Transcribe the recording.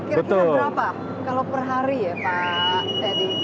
kira kira berapa kalau per hari ya pak edi